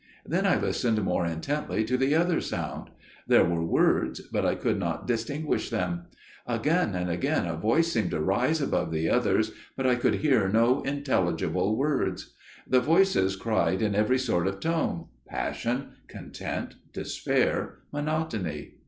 Then I listened more intently to the other sound; there were words, but I could not distinguish them. Again and again a voice seemed to rise above the others, but I could hear no intelligible words. The voices cried in every sort of tone––passion, content, despair, monotony.